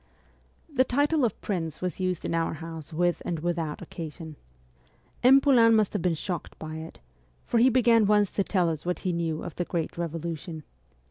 The title of prince was used in our house with and without occasion. M. Poulain must have been shocked by it, for he began once to tell us what he knew of the great Revolution.